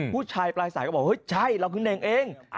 ปลายสายก็บอกเฮ้ยใช่เราคือเน่งเอง